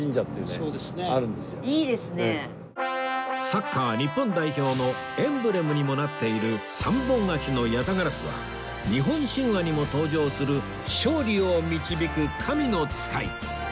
サッカー日本代表のエンブレムにもなっている３本足の八咫烏は日本神話にも登場する「勝利を導く神の使い」